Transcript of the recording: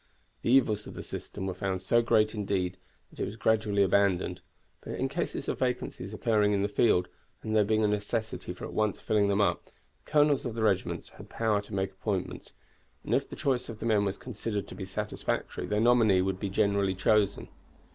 The evils of the system were found so great, indeed, that it was gradually abandoned; but in cases of vacancies occurring in the field, and there being a necessity for at once filling them up, the colonels of the regiments had power to make appointments, and if the choice of the men was considered to be satisfactory their nominee would be generally chosen.